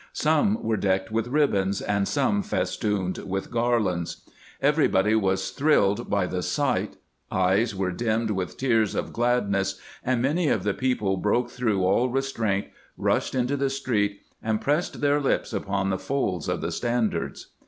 Some were decked with ribbons, and some festooned with garlands. Everybody was thriUed by the sight ; eyes were dimmed with tears of gladness, and many of the people broke through all restraiint, rushed into the street, and pressed their lips upon the folds of the standards.